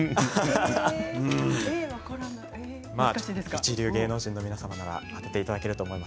一流芸能人の皆さんなら当てていただけると思います。